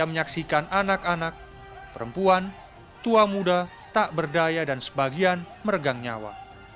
menyaksikan anak anak perempuan tua muda tak berdaya dan sebagian meregang nyawa